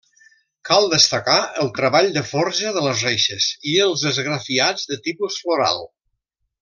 Cal destacar el treball de forja de les reixes i els esgrafiats de tipus floral.